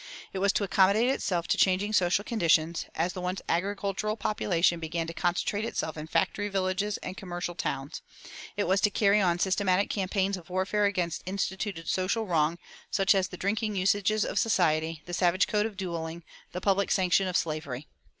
It was to accommodate itself to changing social conditions, as the once agricultural population began to concentrate itself in factory villages and commercial towns. It was to carry on systematic campaigns of warfare against instituted social wrong, such as the drinking usages of society, the savage code of dueling, the public sanction of slavery.